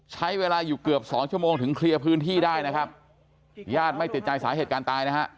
ใช้เวลาอยู่เกือบสองชั่วโมงถึงเคลียร์พื้นที่ได้นะครับญาติไม่ติดใจสาเหตุการณ์ตายนะฮะ